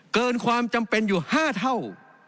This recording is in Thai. เกินความจำเป็นอยู่๕เท่า